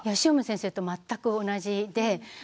汐見先生と全く同じで。